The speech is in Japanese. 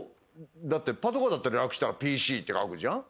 だってパトカーだって略したらＰＣって書くじゃん。